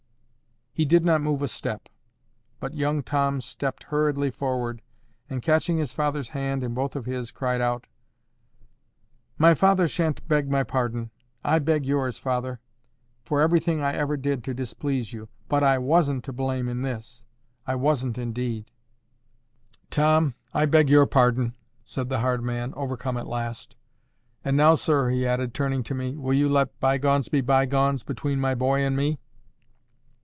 He did not move a step. But young Tom stepped hurriedly forward, and catching his father's hand in both of his, cried out: "My father shan't beg my pardon. I beg yours, father, for everything I ever did to displease you, but I WASN'T to blame in this. I wasn't, indeed." "Tom, I beg your pardon," said the hard man, overcome at last. "And now, sir," he added, turning to me, "will you let by gones be by gones between my boy and me?"